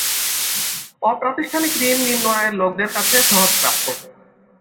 অপ্রাতিষ্ঠানিক ঋণ নিম্ন আয়ের লোকদের কাছে সহজপ্রাপ্য।